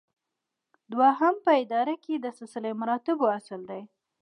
دوهم په اداره کې د سلسله مراتبو اصل دی.